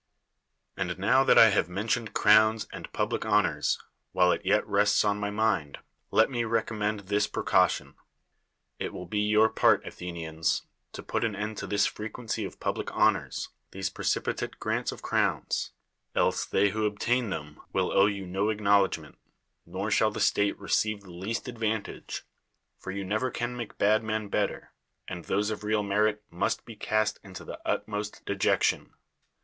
And now that I have mentioned crowns and public honors, while it yet rests on my ni'iid. let me recommend this precaution. ll v.il' l ' your ])art, Athenians, to put ;in end to ti.; fre(]ueney of public honors, these preri[/i In!" grants of erowns; else they who obtain then; will 22\ THE WORLD'S FAMOUS ORATIONS owe you no acknowledgment, nor shall the state receive the least advantage; for you never can make bad men better, and those of real merit must be cast into the utmost dejection.